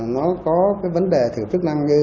nó có cái vấn đề thử chức năng như